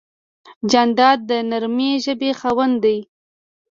جانداد د نرمې ژبې خاوند دی.